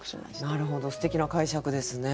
なるほどすてきな解釈ですね。